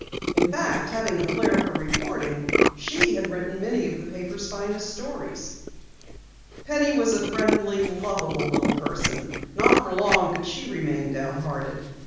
In fact, having a flare for reporting, she had written many of the paper's finest stories. Penny was a friendly, loveable little person. Not for long could she remain downhearted.